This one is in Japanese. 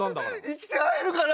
生きて会えるかな。